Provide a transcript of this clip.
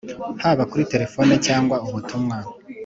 haba kuri telefone cyangwa ubutumwa